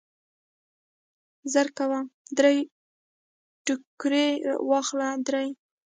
زرکوه درې ټوکرۍ واخله درې.